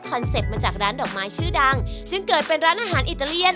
เซ็ปต์มาจากร้านดอกไม้ชื่อดังซึ่งเกิดเป็นร้านอาหารอิตาเลียน